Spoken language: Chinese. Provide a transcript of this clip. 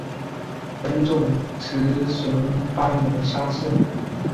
本种雌雄斑纹相似。